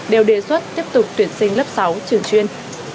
đều đề xuất tiếp tục tuyển sinh lớp sáu trường chuyên